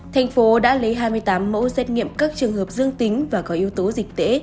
thành phố đã lấy hai mươi tám mẫu xét nghiệm các trường hợp dương tính và có yếu tố dịch tễ